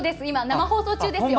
生放送中ですよ。